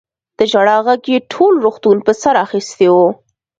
د ژړا غږ يې ټول روغتون په سر اخيستی و.